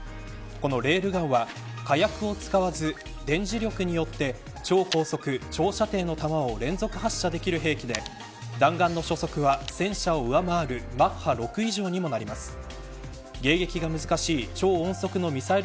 このレールガンは火薬を使わず電磁力によって超高速、長射程の弾を連続発射できる兵器で弾丸の初速は戦車を上回るマッハ６以上にもなります。